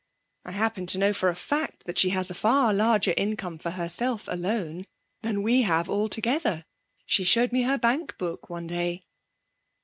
I happen to know for a fact that she has a far larger income for herself alone than we have altogether. She showed me her bank book one day.'